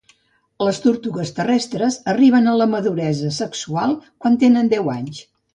Les tortugues terrestres arriben a la maduresa sexual quan tenen deu anys.